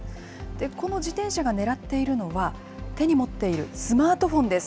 この自転車が狙っているのは、手に持っているスマートフォンです。